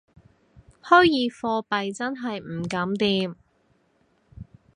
虛擬貨幣真係唔敢掂